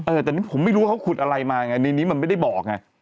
เออแต่นี่ผมไม่รู้ว่าเขาขุดอะไรมาไงในนี้มันไม่ได้บอกไง